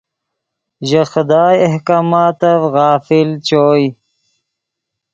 ژے خدائے احکاماتف غافل چوئے